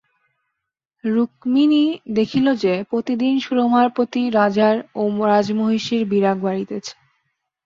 রুক্মিণী দেখিল যে, প্রতিদিন সুরমার প্রতি রাজার ও রাজমহিষীর বিরাগ বাড়িতেছে।